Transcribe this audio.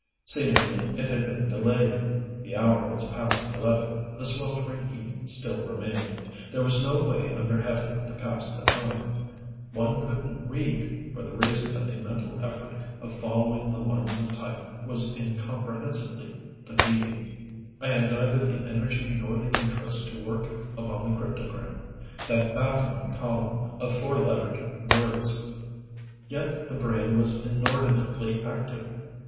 Seemingly it had been delayed. The hour was past eleven, the sweltering heat still remained. There was no way under Heaven to pass the time. One couldn't read, for the reason that the mental effort of following the lines of type was incomprehensibly fatiguing. I had neither the energy nor the interest to work upon the cryptogram that baffling column of four lettered words. Yet the brain was inordinately active.